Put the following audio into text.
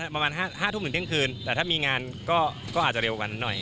ประมาณ๕ทุ่มถึงเที่ยงคืนแต่ถ้ามีงานก็อาจจะเร็วกว่านั้นหน่อย